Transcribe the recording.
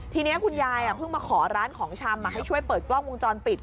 ทีนี้คุณยายเพิ่งมาขอร้านของชำให้ช่วยเปิดกล้องวงจรปิด